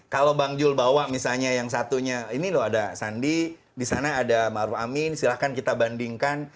kalau bang jul bawa misalnya yang satunya ini loh ada sandi di sana ada maruf amin silahkan kita bandingkan